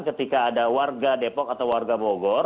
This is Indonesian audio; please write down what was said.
ketika ada warga depok atau warga bogor